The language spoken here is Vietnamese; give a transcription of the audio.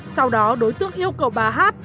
sau đó đối tượng yêu cầu bà hát